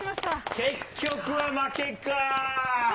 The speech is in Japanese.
結局は負けか。